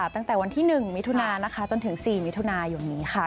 ตั้งแต่วันที่หนึ่งมิทุนานะคะจนถึงสี่มิทุนาอยู่นี้ค่ะ